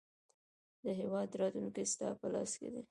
د هیواد راتلونکی ستا په لاس کې دی.